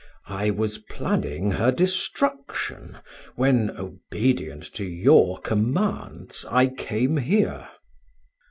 I was planning her destruction, when, obedient to your commands, I came here."